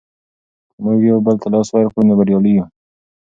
که موږ یو بل ته لاس ورکړو نو بریالي یو.